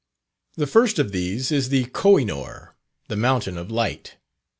The first of these is the Koh i noor, the "Mountain of Light."